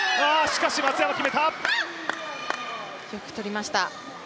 よく取りました。